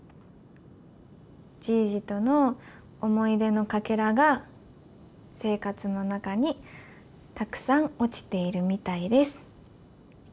じいじとの思い出のかけらが生活の中にたくさん落ちているみたいです。